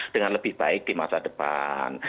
dengan lebih baik di masa depan